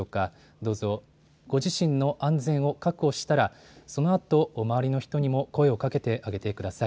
どうぞご自身の安全を確保したらそのあと周りの人にも声をかけてあげてください。